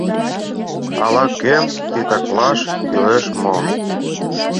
Ала-кӧм титаклаш кӱлеш мо?